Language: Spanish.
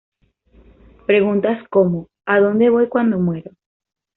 Preguntas como "¿A dónde voy cuando muero?